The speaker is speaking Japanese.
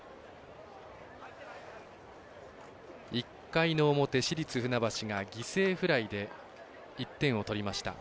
１回の表、市立船橋が犠牲フライで１点を取りました。